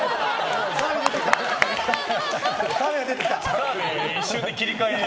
澤部が出てきた！